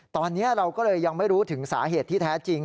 ตอนนี้เราก็เลยยังไม่รู้ถึงสาเหตุที่แท้จริง